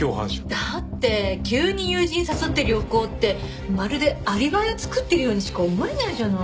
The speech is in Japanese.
だって急に友人誘って旅行ってまるでアリバイを作ってるようにしか思えないじゃない。